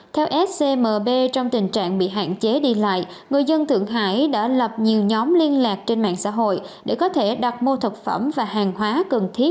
theo scmb trong tình trạng bị hạn chế đi lại người dân thượng hải đã lập nhiều nhóm liên lạc trên mạng xã hội